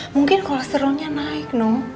mungkin kolesterolnya naik noh